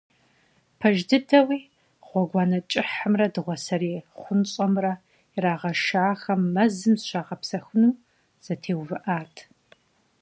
Пэж дыдэуи, гъуэгуанэ кӀыхьымрэ дыгъуасэрей хъунщӀэмрэ ирагъэшахэм мэзым зыщагъэпсэхуну зэтеувыӀат.